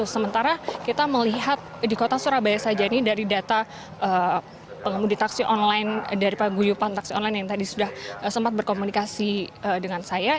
sementara kita melihat di kota surabaya saja ini dari data pengemudi taksi online dari paguyupan taksi online yang tadi sudah sempat berkomunikasi dengan saya